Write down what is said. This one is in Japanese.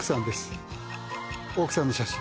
奥さんの写真。